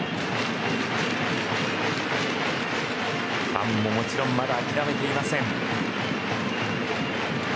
ファンも、もちろんまだ諦めていません。